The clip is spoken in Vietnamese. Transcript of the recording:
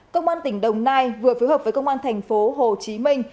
công an tỉnh đồng nai vừa phối hợp với công an thành phố hồ chí minh